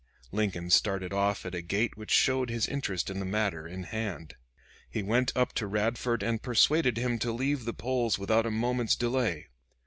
Lincoln started off at a gait which showed his interest in the matter in hand. He went up to Radford and persuaded him to leave the polls without a moment's delay.